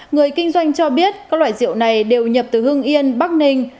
người kinh doanh cho biết các loại diệu này đều nhập từ hương yên bắc ninh